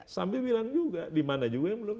sambil bilang juga dimana juga yang belum